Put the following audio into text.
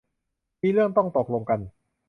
มีเรื่องต้องตกลงกัน